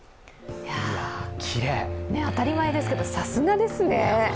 当たり前ですけどさすがですね。